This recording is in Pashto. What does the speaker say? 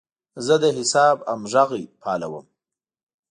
زه د حساب همغږي فعالوم.